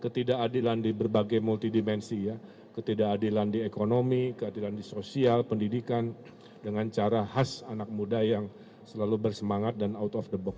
ketidakadilan di berbagai multidimensi ya ketidakadilan di ekonomi keadilan di sosial pendidikan dengan cara khas anak muda yang selalu bersemangat dan out of the box